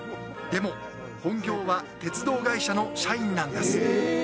でも本業は鉄道会社の社員なんですえ